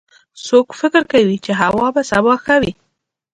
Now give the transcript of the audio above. څوک فکر کوي چې هوا به سبا ښه وي